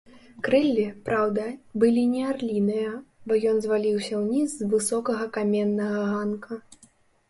Крыллі, праўда, былі не арліныя, бо ён зваліўся ўніз з высокага каменнага ганка.